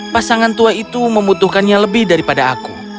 pasangan tua itu membutuhkannya lebih daripada aku